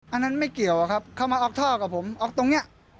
อันนั้นไม่เกี่ยวอะครับเข้ามาออกท่อกับผมออกตรงนี้